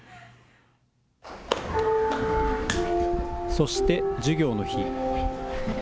そして授業の日。